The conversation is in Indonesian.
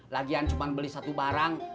lagian cuma beli satu barang